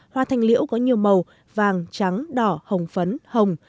hoa thanh liễu có nhiều màu vàng trắng đỏ hồng phấn hồng